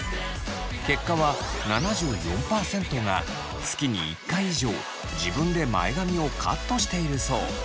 結果は７４％が月に１回以上自分で前髪をカットしているそう。